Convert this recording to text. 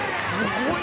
すごい。